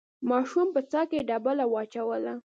ماشوم په څاه کې ډبله واچوله.